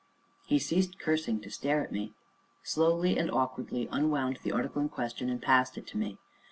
He ceased cursing to stare at me, slowly and awkwardly unwound the article in question, and passed it to me.